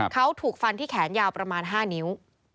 เขาถูกฟันที่แขนยาวประมาณ๕นิ้ว